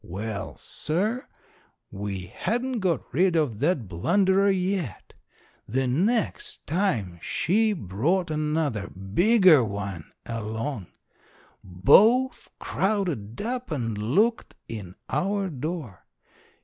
Well, sir, we hadn't got rid of that blunderer yet. The nex' time she brought another, bigger one, along. Both crowded up and looked in our door.